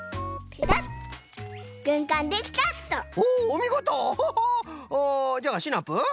おじゃあシナプー